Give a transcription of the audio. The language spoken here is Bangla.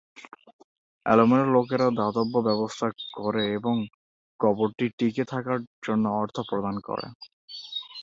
এলোমেলো লোকেরা দাতব্য ব্যবস্থা করে এবং কবরটি টিকে থাকার জন্য অর্থ প্রদান করে।